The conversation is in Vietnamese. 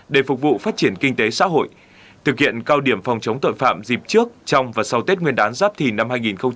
để phục vụ phát triển kinh tế xã hội thực hiện cao điểm phòng chống tội phạm dịp trước trong và sau tết nguyên đán giáp thìn năm hai nghìn hai mươi bốn